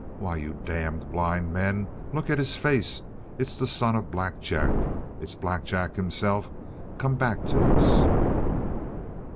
Why, you damned blind men, look at his face! It's the son of Black Jack. It's Black Jack himself come back to us!"